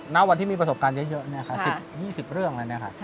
นับวันที่มีประสบการณ์เยอะเนี่ยค่ะสิบยี่สิบเรื่องอะไรเนี่ยค่ะค่ะ